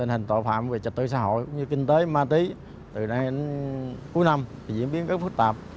hội xã hội kinh tế ma túy từ nay đến cuối năm diễn biến rất phức tạp